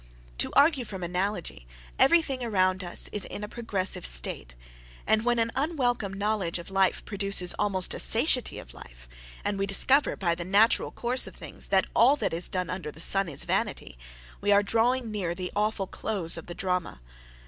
To argue from analogy, every thing around us is in a progressive state; and when an unwelcome knowledge of life produces almost a satiety of life, and we discover by the natural course of things that all that is done under the sun is vanity, we are drawing near the awful close of the drama.